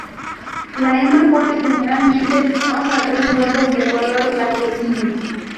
La hembra pone generalmente de dos a tres huevos de color blanquecino.